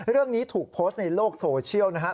เรื่องนี้ถูกโพสต์ในโลกโซเชียลนะครับ